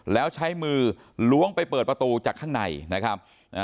แล้วใช้มือล้วงไปเปิดประตูจากข้างในนะครับ